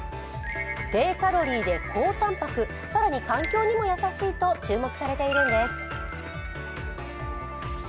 低カロリーで高たんぱく、更に環境にも優しいと注目されているんです。